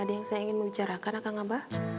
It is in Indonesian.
ada yang saya ingin membicarakan kang abah